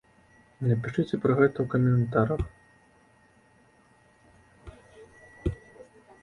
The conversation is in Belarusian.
Напішыце пра гэта ў каментарах!